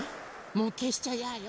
もうけしちゃやよ。